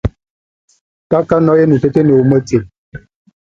Bondak a bá nʼ amɛ sa a mondo nehulek, a nɔnɔk.